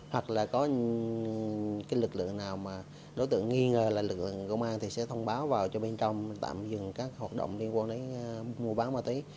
hoặc là có cái lực lượng nào mà đối tượng nghi ngờ là lực lượng công an thì sẽ thông báo vào cho bên trong tạm dừng các hoạt động liên quan đến mua bán ma túy